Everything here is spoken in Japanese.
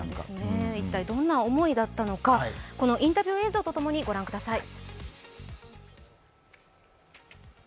一体どんな思いだったのかこのインタビュー映像と共に御覧ください。